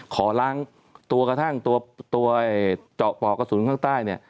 ขอล้างตัวกระทั่งตัวเจาะปอกกระสุนข้างใต้เนี่ย